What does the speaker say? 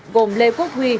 gồm lê quốc huy